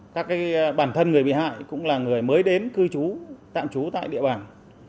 các bản thân người bị hại cũng là người mới đến cư trú tạm trú tại địa bàn